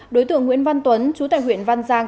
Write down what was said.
đối tượng nguyễn văn tuấn chú tại huyện văn giang